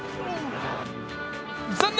残念！